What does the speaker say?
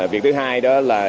việc thứ hai đó là